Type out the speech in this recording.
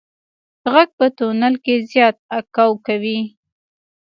غږ په تونل کې زیات اکو کوي.